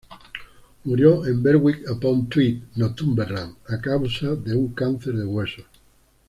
Murió en Berwick-upon-Tweed, Northumberland a causa de un cáncer de huesos.